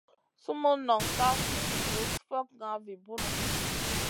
Sumun non kaf min gus fokŋa vi bunu.